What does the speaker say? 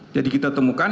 jadi kita temukan